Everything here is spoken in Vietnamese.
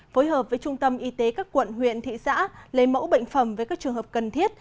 phối hợp với trung tâm y tế các quận huyện thị xã lấy mẫu bệnh phẩm với các trường hợp cần thiết